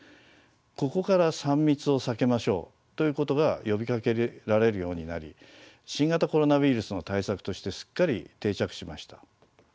ここから「３密を避けましょう」ということが呼びかけられるようになり新型コロナウイルスの対策としてすっかり定着しました。